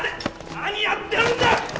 何やってるんだ！